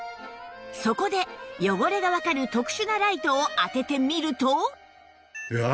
そこで汚れがわかる特殊なライトを当ててみると